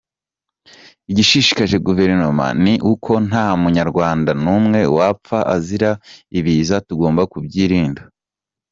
Igishishikaje Guverinoma ni uko nta Munyarwanda n’umwe wapfa azira ibiza, tugomba kubyirinda.